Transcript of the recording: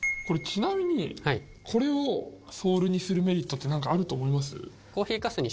ちなみにこれをソールにするメリットってなんかあると思います？